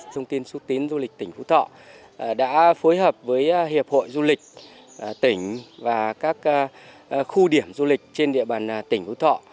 trung tín xuất tín du lịch tỉnh phú thọ đã phối hợp với hiệp hội du lịch tỉnh và các khu điểm du lịch trên địa bàn tỉnh phú thọ